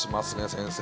先生